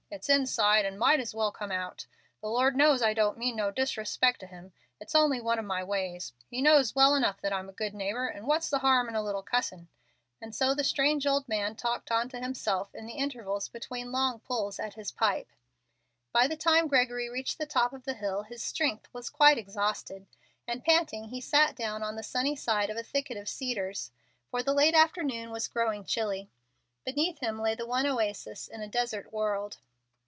It's inside, and might as well come out. The Lord knows I don't mean no disrespect to Him. It's only one of my ways. He knows well enough that I'm a good neighbor, and what's the harm in a little cussin'?" and so the strange old man talked on to himself in the intervals between long pulls at his pipe. By the time Gregory reached the top of the hill his strength was quite exhausted, and, panting, he sat down on the sunny side of a thicket of cedars, for the late afternoon was growing chilly. Beneath him lay the one oasis in a desert world.